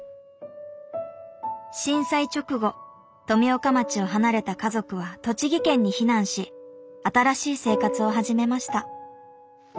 震災直後富岡町を離れた家族は栃木県に避難し新しい生活を始めました。